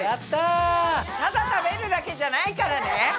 ただ食べるだけじゃないからね！